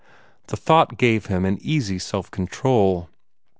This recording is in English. The thought gave him an easy self control.